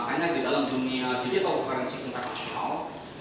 makanya di dalam dunia digital forensik internasional